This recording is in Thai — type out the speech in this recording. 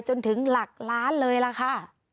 จนถึงหลักล้านเลยล่ะค่ะ